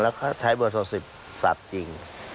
แล้วเขาใช้เบอร์ส่วนสิบศัพท์จริง